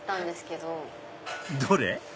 どれ？